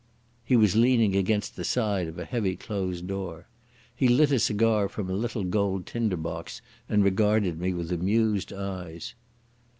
He was leaning against the side of a heavy closed door. He lit a cigar from a little gold tinder box and regarded me with amused eyes.